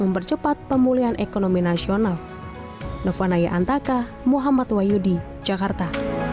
mempercepat pemulihan ekonomi nasional novanaya antaka muhammad wahyudi jakarta